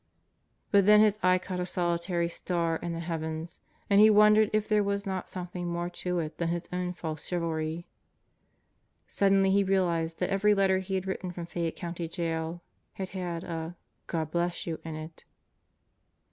But then his eye caught a solitary star in the heavens and he wondered if there was not something more to it than his own false chivalry. Suddenly he realized that every letter he had written from Fayette County Jail had had a "God bless you" in it.